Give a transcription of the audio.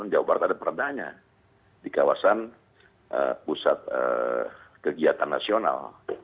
jawa barat ada perbedaannya di kawasan pusat kegiatan nasional